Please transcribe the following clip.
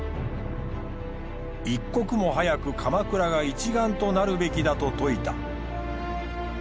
一刻も早く鎌倉が一丸となるべきだと説いた。